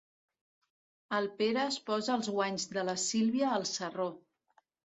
El Pere es posa els guanys de la Sílvia al sarró.